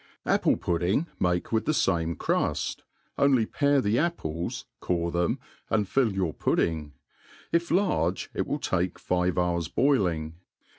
Apple pudding make with the fame cruft, only pare the apples, core them, and fill your pudding ; if large, it will take five hours boiling.